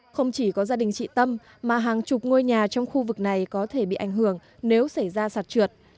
không chỉ có gia đình chị tâm mà hàng chục ngôi nhà trong khu vực này có thể bị ảnh hưởng nếu xảy ra sạt trượt